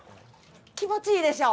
気持ちいいでしょ？